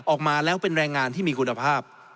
ออกมาแล้วเป็นแรงงานที่มีคุณภาพ